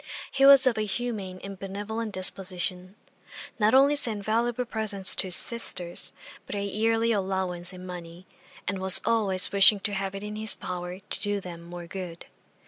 He was of a humane and benevolent disposition; not only sent valuable presents to his sisters, but a yearly allowance in money, and was always wishing to have it in his power to do them more good.